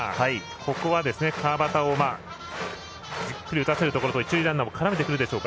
ここは、川端をじっくり打たせるところと一塁ランナーも絡めてくるでしょうか。